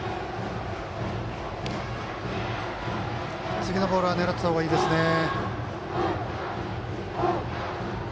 次のボールは狙った方がいいですね。